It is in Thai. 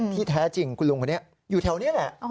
ที่แท้จริงคุณลุงคนนี้อยู่แถวนี้แหละ